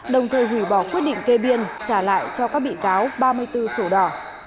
đồng thời hủy bỏ quyết định kê biên trả lại cho các bị cáo ba mươi bốn sổ đỏ